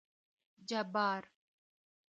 جبار